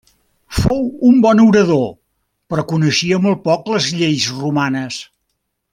Fou un bon orador, però coneixia molt poc les lleis romanes.